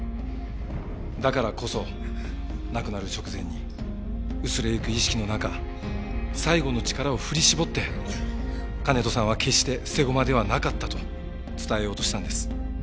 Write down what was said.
だからこそ亡くなる直前に薄れゆく意識の中最後の力を振り絞って金戸さんは決して捨て駒ではなかったと伝えようとしたんです。